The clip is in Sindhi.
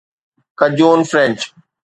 ڪجون فرينچ